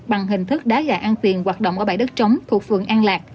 bằng hình thức đá gà ăn tiền hoạt động ở bãi đất trống thuộc phường an lạc